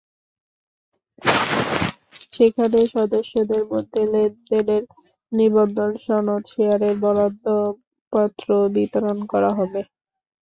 সেখানে সদস্যদের মধ্যে লেনদেনের নিবন্ধন সনদ, শেয়ারের বরাদ্দপত্র বিতরণ করা হবে।